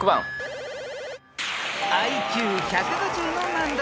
［ＩＱ１５０の難読